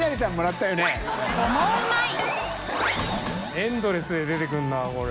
エンドレスで出てくるなこれ。